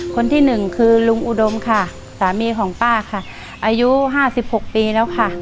คนที่หนึ่งคือลุงอุดมค่ะสามีของป้าค่ะอายุ๕๖ปีแล้วค่ะ